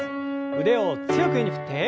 腕を強く上に振って。